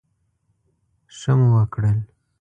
ښه مو وکړل.